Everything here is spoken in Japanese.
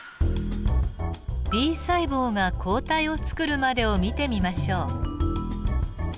Ｂ細胞が抗体をつくるまでを見てみましょう。